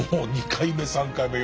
２回目３回目